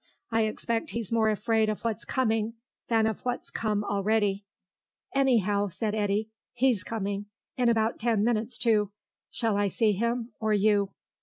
I expect he's more afraid of what's coming than of what's come already." "Anyhow," said Eddy, "he's coming. In about ten minutes, too. Shall I see him, or you?"